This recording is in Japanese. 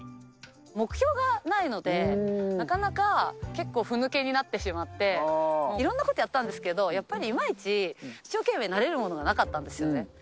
目標がないので、なかなか結構、ふぬけになってしまって、いろんなことやったんですけど、やっぱりいまいち、一生懸命になれるものがなかったんですよね。